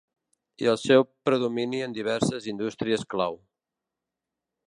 I del seu predomini en diverses indústries clau